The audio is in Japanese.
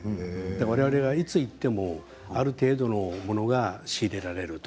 われわれがいつ行ってもある程度のものが仕入れられると。